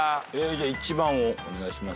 じゃあ１番をお願いします。